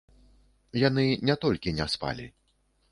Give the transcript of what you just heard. Яны не толькі не спалі.